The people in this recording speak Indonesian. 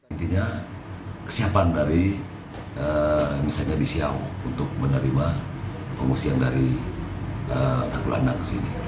intinya kesiapan dari misalnya di siau untuk menerima pengungsian dari kakulandang ke sini